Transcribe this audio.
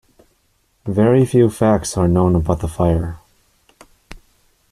Very few facts are known about the fire.